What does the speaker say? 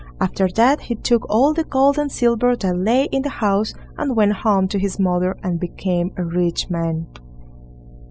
After that he took all the gold and silver that lay in the house, and went home to his mother, and became a rich man.